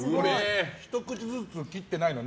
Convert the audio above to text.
ひと口ずつ切ってないのね